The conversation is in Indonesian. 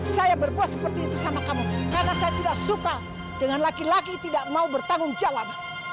saya berbuat seperti itu sama kamu karena saya tidak suka dengan laki laki tidak mau bertanggung jawab